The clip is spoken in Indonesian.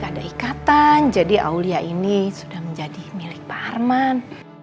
ada ikatan jadi aulia ini sudah menjadi milik pak arman